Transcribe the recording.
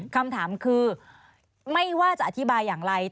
คำถามคือไม่ว่าจะอธิบายอย่างไร